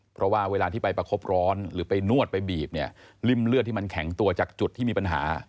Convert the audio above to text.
เพราะว่าเวลาที่ไปประคบร้อนหรือไปนวดไปบีบเนี่ยริ่มเลือดที่มันแข็งตัวจากจุดที่มีปัญหา